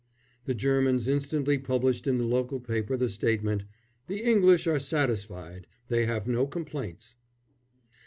The Germans instantly published in the local paper the statement, "The English are satisfied. They have no complaints."